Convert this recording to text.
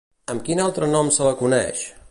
Amb quin altre nom se la coneix?